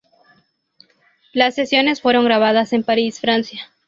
Las sesiones fueron grabadas en París, Francia.